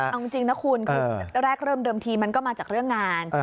เอาจริงนะคุณคือแรกเริ่มเดิมทีมันก็มาจากเรื่องงาน